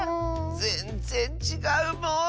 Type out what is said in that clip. ぜんぜんちがうもん！